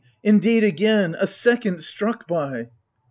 indeed again, — a second, struck by